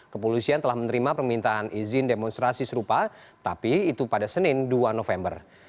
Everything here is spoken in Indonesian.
kepolisian telah menerima permintaan izin demonstrasi serupa tapi itu pada senin dua november